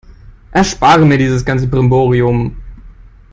Erspare mir dieses ganze Brimborium!